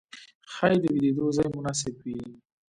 ښايې د ويدېدو ځای مناسب وي.